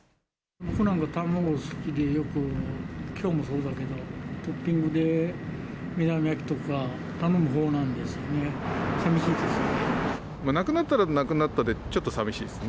僕なんか卵好きで、よく、きょうもそうだけど、トッピングで目玉焼きとか、頼むほうなんでね、さみしいですね。